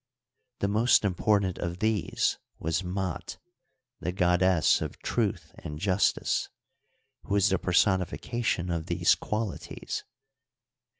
The most important of these was Mat, the goddess of truth and justice, who is the personification of these qualities.